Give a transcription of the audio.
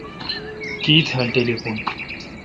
کی تھال ٹلیفون ۔